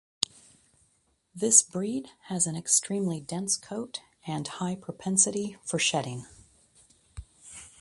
This breed has an extremely dense coat and high propensity for shedding.